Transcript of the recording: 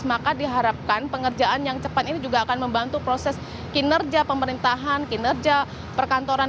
maka diharapkan pengerjaan yang cepat ini juga akan membantu proses kinerja pemerintahan kinerja perkantoran